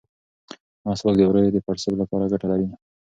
مسواک د ووریو د پړسوب لپاره ګټه لري.